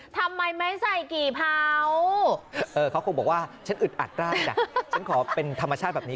ทำไมไม่ใส่กี่เผาเขาคงบอกว่าฉันอึดอัดได้จ้ะฉันขอเป็นธรรมชาติแบบนี้